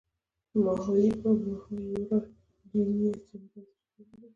مهایورا د جینیزم بنسټ کیښود.